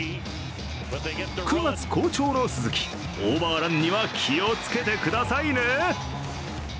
９月好調の鈴木、オーバーランには気をつけてくださいね。